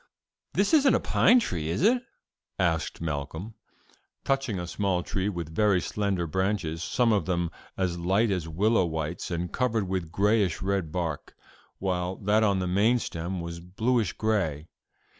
"This isn't a pine tree, is it?" asked Malcolm, touching a small tree with very slender branches, some of them as slight as willow withes and covered with grayish red bark, while that on the main stem was bluish gray.